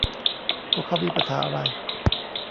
พวกเค้ามีปัญหาอะไร